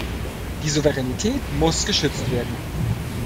Die Souveränität muss geschützt werden.